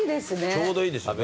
ちょうどいいでしょうね。